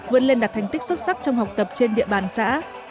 vươn lên đạt thành tích xuất sắc trong học tập trên địa bàn xã